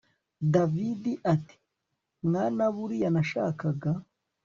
david ati mwana buriya nashakaga